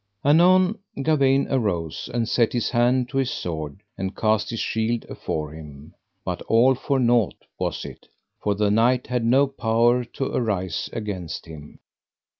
Anon Gawaine arose and set his hand to his sword, and cast his shield afore him. But all for naught was it, for the knight had no power to arise against him.